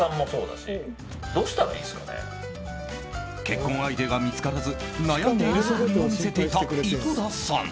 結婚相手が見つからず悩んでいるそぶりを見せていた井戸田さん。